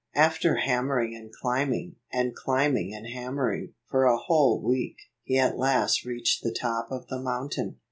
After hammering and climbing, and climbing and hammering, for a whole week, he at last reached the top of the mountain.